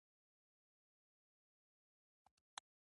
ډکټیلیټي باید له سل سانتي مترو زیاته وي